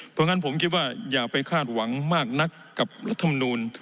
เพราะฉะนั้นผมคิดว่าอย่าไปคาดหวังมากนักกับรัฐมนูล